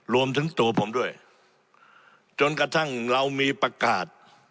รวมถึงตัวผมด้วยจนกระทั่งเรามีประกาศ